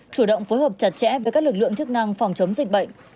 chủ động phối hợp chặt chẽ với các lực lượng chức năng phòng chống dịch bệnh